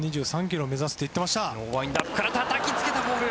１２３キロを目指すって言ってました。